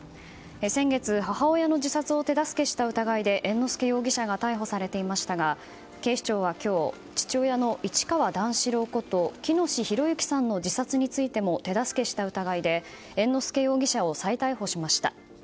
先月、母親の自殺を手助けした疑いで猿之助容疑者が逮捕されていましたが警視庁は今日父親の市川段四郎こと喜熨斗弘之さんの自殺についても手助けした疑いで猿之助容疑者を再逮捕しました。